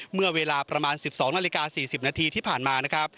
เมื่อเวลาประมาณ๑๒นาฬิกา๔๐นาทีที่ผ่านมานะครับ